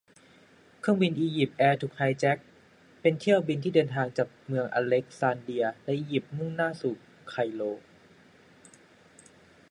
เครื่องบินอียิปต์แอร์ถูกไฮแจ็ค เป็นเที่ยวบินที่เดินทางจากเมืองอเล็กซานเดียในอียิปต์มุ่งหน้าสู่ไคโร